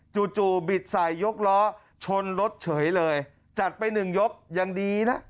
จู่บิดใส่ยกล้อชนรถเฉยเลยจัดไปหนึ่งยกยังดีนะ